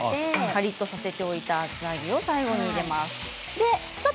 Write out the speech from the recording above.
カリっとさせておいた厚揚げを最後に加えます。